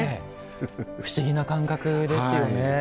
不思議な感覚ですよね。